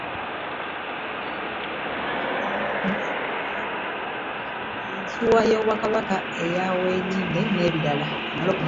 Yinsuwa y'Obwakabaka eya Weerinde n'ebirala